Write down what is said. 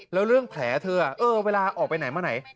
แล้วเรื่องแผลเธอเวลาออกไปไหนมาไหน